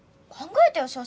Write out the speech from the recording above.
考えてよ